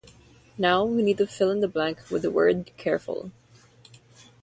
Now, we need to fill in the blank with the word "careful".